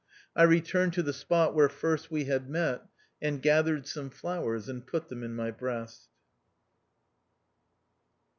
I returned to the spot where first we had met, and gathered some flowers, and put them in my breast.